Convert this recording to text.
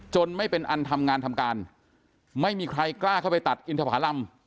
ไม่เป็นอันทำงานทำการไม่มีใครกล้าเข้าไปตัดอินทภารำ